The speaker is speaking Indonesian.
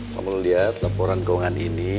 kalau lihat laporan keuangan ini